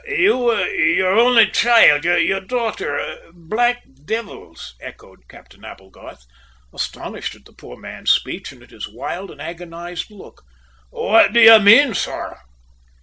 "Your only child, your daughter black devils," echoed Captain Applegarth, astonished at the poor man's speech and at his wild and agonised look. "What do you mean, sir?"